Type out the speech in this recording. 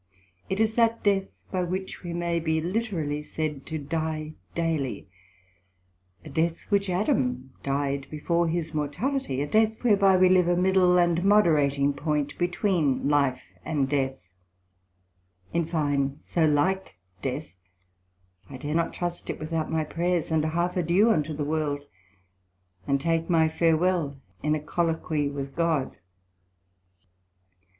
It is that death by which we may be literally said to dye daily; a death which Adam dyed before his mortality; a death whereby we live a middle and moderating point between life and death; in fine, so like death, I dare not trust it without my prayers, and an half adieu unto the World, and take my farewell in a Colloquy with God.